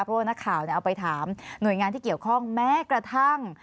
เพราะว่านักข่าวเอาไปถามหน่วยงานที่เกี่ยวข้องแม้กระทั่ง